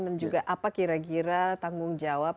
dan juga apa kira kira tanggung jawab